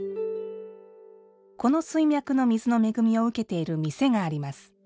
この水脈の水の恵みを受けている店があります。